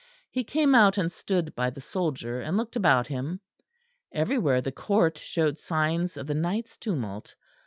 He came out and stood by the soldier, and looked about him. Everywhere the court showed signs of the night's tumult.